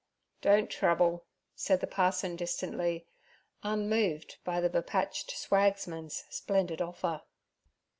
'Don't trouble' said the parson distantly, unmoved by the bepatched swagsman's splendid offer.